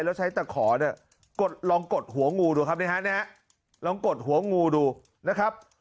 แล้วใช้ตะขอลองกดหัวงูดูครับนะฮะนี่ฮะลองกดหัวงูดูนะครับ